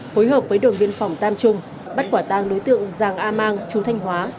hối hợp với đội viên phòng tam trung bắt quả tăng đối tượng giàng a mang chú thanh hóa